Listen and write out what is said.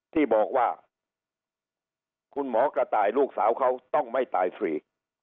ที่บอกว่าคุณหมอกระต่ายลูกสาวเขาต้องไม่ตายฟรี